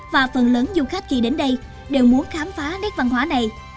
và phần lớn du khách khi đến đây đều muốn khám phá nét văn hóa này